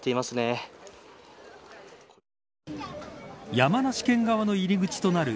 山梨県側の入り口となる